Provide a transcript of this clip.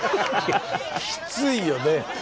きついよね。